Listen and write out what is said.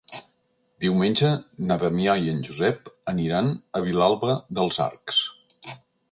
Diumenge na Damià i en Josep aniran a Vilalba dels Arcs.